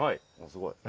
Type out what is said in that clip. すごい。